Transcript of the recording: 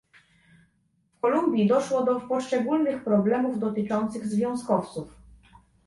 w Kolumbii doszło do poszczególnych problemów dotyczących związkowców